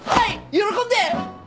喜んで！